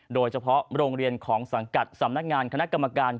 โดยเฉพาะโรงเรียนของสังกัดสำนักงานคณะกรรมการ